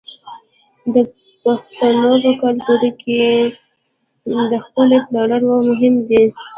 د پښتنو په کلتور کې د خپلوۍ پالل مهم دي.